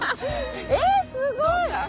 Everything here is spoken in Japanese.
えすごい！